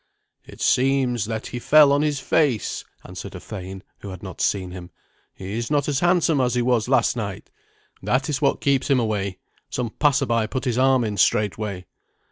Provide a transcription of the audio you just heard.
"It seems that he fell on his face," answered a thane who had seen him. "He is not as handsome as he was last night. That is what keeps him away. Some passerby put his arm in straightway."